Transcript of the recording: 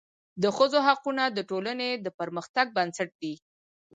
د ښځو حقونه د ټولني د پرمختګ بنسټ دی.